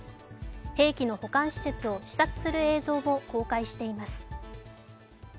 兵器の保管施設を視察する映像も公開しています。